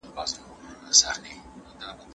نړیوال قوانین د ملتونو د خپلواکۍ درناوی کوي.